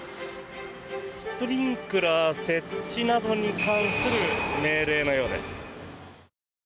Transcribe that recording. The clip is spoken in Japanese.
スプリンクラー設置などに関する命令のようです。